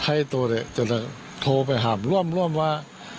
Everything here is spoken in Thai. ให้ตัวเด็กจะโทรไปหาบร่วมร่วมว่า